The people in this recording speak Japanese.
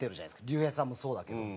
竜兵さんもそうだけど。